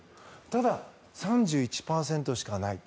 ただ、３１％しかない。